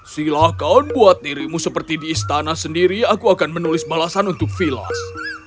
silahkan buat dirimu seperti di istana sendiri aku akan menulis balasan untuk vilas